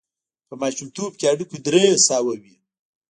په ماشومتوب هډوکي درې سوه وي.